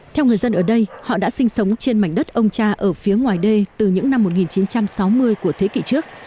theo người dân ở đây họ đã sinh sống trên mảnh đất ông cha ở phía ngoài đê từ những năm một nghìn chín trăm sáu mươi của thế kỷ trước